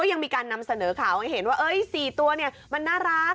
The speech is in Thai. ยังมีการนำเสนอข่าวให้เห็นว่า๔ตัวมันน่ารัก